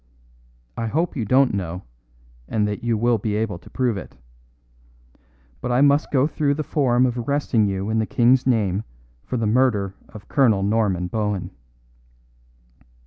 I hope you don't know, and that you will be able to prove it. But I must go through the form of arresting you in the King's name for the murder of Colonel Norman Bohun."